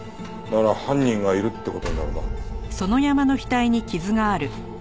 なら犯人がいるって事になるな。